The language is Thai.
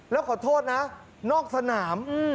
แล้วขอโทษนะนอกสนาม